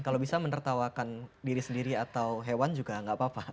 kalau bisa menertawakan diri sendiri atau hewan juga nggak apa apa